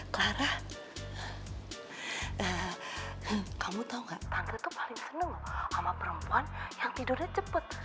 clara kamu tau nggak tante tuh paling seneng sama perempuan yang tidurnya cepet